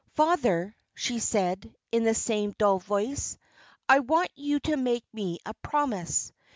"Father," she said, in the same dull voice, "I want you to make me a promise.